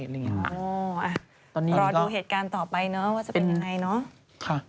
อ๋อรอดูเหตุการณ์ต่อไปก็จะเป็นอย่างไรเนอะ